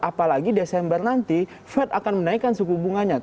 apalagi desember nanti fed akan menaikkan suku bunganya